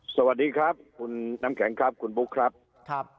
สวัสดีครับคุณน้ำแข็งครับคุณบุ๊คครับครับ